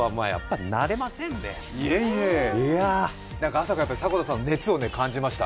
朝から迫田さんの熱を感じました。